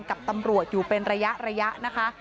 กับตำรวจอยู่เป็นระยะนะคะ